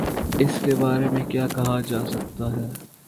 اس کے بارے میں کیا کہا جا سکتا ہے۔